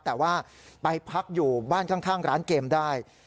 แต่ว่าไปพักอยู่บ้านข้างร้านเกมได้